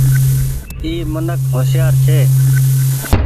اي منک هوشيآر ڇي۔